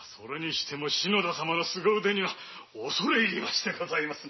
篠田様のすご腕には恐れ入りましてございます。